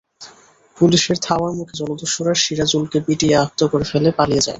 পুলিশের ধাওয়ার মুখে জলদস্যুরা সিরাজুলকে পিটিয়ে আহত করে ফেলে পালিয়ে যায়।